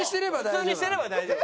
普通にしてれば大丈夫。